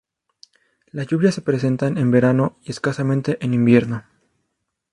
Las lluvias se presentan en verano y escasamente en invierno.